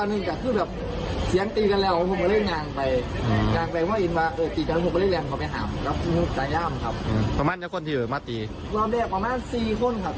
สำหรับเยอะคนที่อยู่มาตีเรากำลังได้สำหรับสี่คนครับ